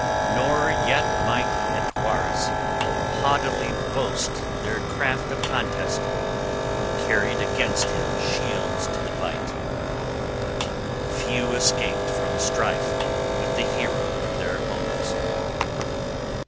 Nor yet might Hetwaras {31b} haughtily boast their craft of contest, who carried against him shields to the fight: but few escaped from strife with the hero to seek their homes!